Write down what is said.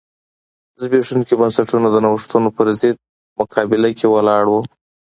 زبېښونکي بنسټونه د نوښتونو پرضد مقابله کې ولاړ و.